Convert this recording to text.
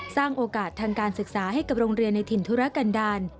สร้างโอกาสทางการศึกษาให้กับโรงเรียนในถิ่นธุรกันดาล